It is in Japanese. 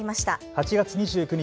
８月２９日